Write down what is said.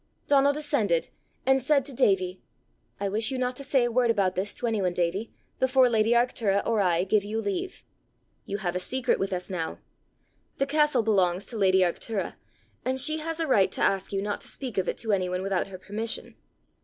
Donal descended, and said to Davie, "I wish you not to say a word about this to any one, Davie, before lady Arctura or I give you leave. You have a secret with us now. The castle belongs to lady Arctura, and she has a right to ask you not to speak of it to any one without her permission.